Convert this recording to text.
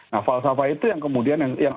nah falsafah itu yang kemudian yang